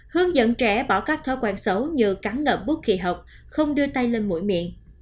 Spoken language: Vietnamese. hướng dẫn trẻ bỏ các thói quen xấu như cắn ngập bút kỳ học không đưa tay lên mũi miệng